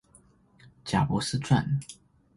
賈伯斯傳